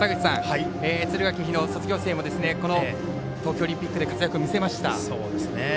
敦賀気比の卒業生もこの東京オリンピックで活躍を見せました。